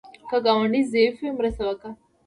که ګاونډی ضعیف وي، مرسته کوه